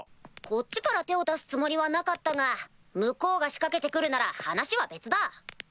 こっちから手を出すつもりはなかったが向こうが仕掛けて来るなら話は別だ。